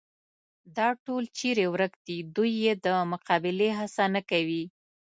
دا ټول چېرې ورک دي، دوی یې د مقابلې هڅه نه کوي.